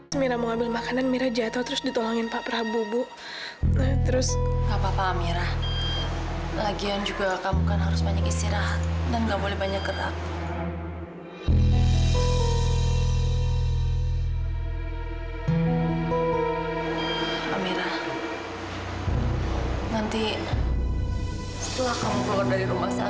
sampai jumpa di video selanjutnya